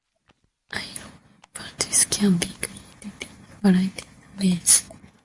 Iron-on patches can be created in a variety of ways.